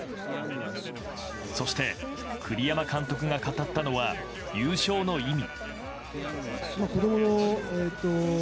そして、栗山監督が語ったのは優勝の意味。